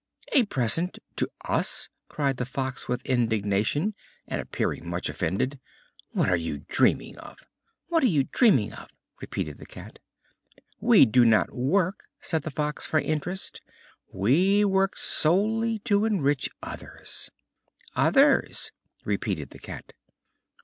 "A present to us?" cried the Fox with indignation and appearing much offended. "What are you dreaming of?" "What are you dreaming of?" repeated the Cat. "We do not work," said the Fox, "for interest: we work solely to enrich others." "Others!" repeated the Cat.